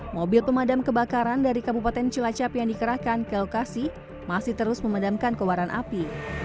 mobil pemadam kebakaran dari kabupaten cilacap yang dikerahkan ke lokasi masih terus memadamkan kewaran api